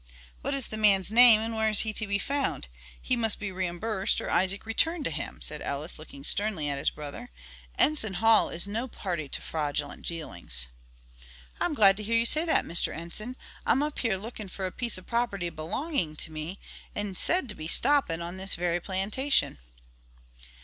"What is the man's name, and where is he to be found? he must be reimbursed or Isaac returned to him," said Ellis, looking sternly at his brother. "Enson Hall is no party to fraudulent dealings." "I'm glad to hear you say that, Mr. Enson; I'm up here lookin' for a piece of property belonging to me, and said to be stopping on this very plantation."